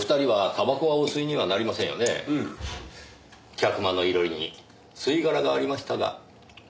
客間の囲炉裏に吸い殻がありましたが。